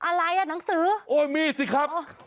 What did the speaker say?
อะไรอ่ะหนังสือโอ้ยมีสิครับ